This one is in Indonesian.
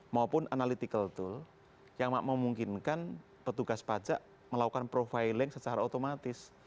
maupun analytical tool yang memungkinkan petugas pajak melakukan profiling secara otomatis